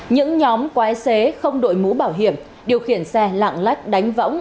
những nhóm quái xế không đội mũ bảo hiểm điều khiển xe lạng lách đánh võng